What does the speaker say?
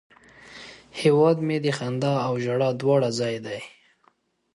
هیواد مې د خندا او ژړا دواړه ځای دی